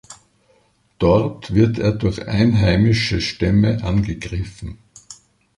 Dort wird er durch einheimische Stämme angegriffen.